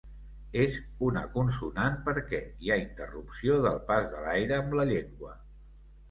És una consonant perquè hi ha interrupció del pas de l'aire amb la llengua.